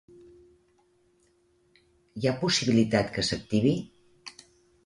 Hi ha possibilitat que s'activi?